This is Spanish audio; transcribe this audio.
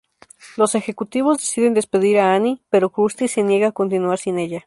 Los ejecutivos deciden despedir a Annie, pero Krusty se niega a continuar sin ella.